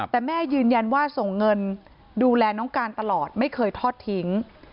แต่แม่ยืนยันว่าส่งเงินดูแลน้องการตลอดไม่เคยทอดทิ้ง